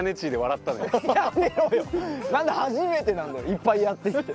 いっぱいやってきて。